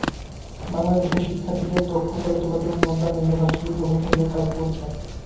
বাংলাদেশের শিক্ষার্থীদের দক্ষ করে তোলার জন্য নর্দান ইউনিভার্সিটি প্রথম থেকেই কাজ করছে।